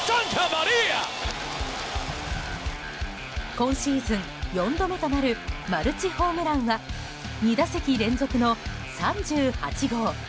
今シーズン４度目となるマルチホームランは２打席連続の３８号。